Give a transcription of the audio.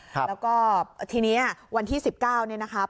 แล้วก็ทีนี้วันที่๑๙เนี่ยนะครับ